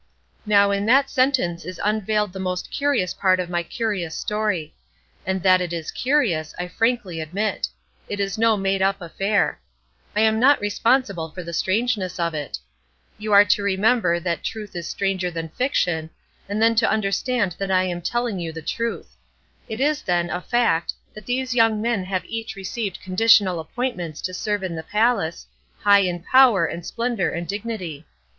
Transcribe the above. Now, in that sentence is unveiled the most curious part of my curious story; and that it is curious, I frankly admit. It is no made up affair. I am not responsible for the strangeness of it. You are to remember that "truth is stranger than fiction," and then to understand that I am telling you the truth. It is, then, a fact, that these young men have each received conditional appointments to serve in the palace, high in power and splendor and dignity.